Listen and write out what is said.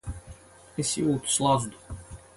Es jūtu slazdu.